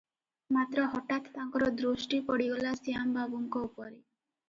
ମାତ୍ର ହଠାତ୍ ତାଙ୍କର ଦୃଷ୍ଟି ପଡ଼ିଗଲା ଶ୍ୟାମବାବୁଙ୍କ ଉପରେ ।